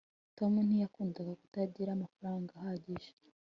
tom ntiyakundaga kutagira amafaranga ahagije